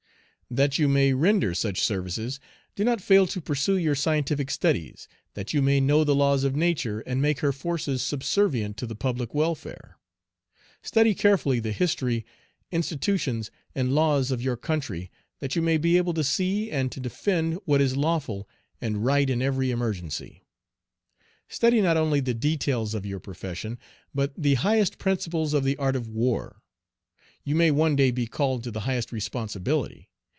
That you may render such services, do not fail to pursue your scientific studies, that you may know the laws of nature, and make her forces subservient to the public welfare. Study carefully the history, institutions, and laws of your country, that you may be able to see and to defend what is lawful and right in every emergency. Study not only the details of your profession, but the highest principles of the art of war, You may one day be called to the highest responsibility.